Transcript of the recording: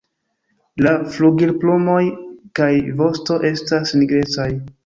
La flugilplumoj kaj vosto estas nigrecaj.